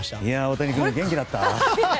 大谷君、元気だった？